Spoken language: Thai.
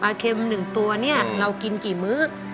เค็ม๑ตัวเนี่ยเรากินกี่มื้อ